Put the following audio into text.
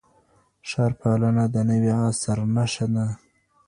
ښارپالنه د نوي عصر نښه ده.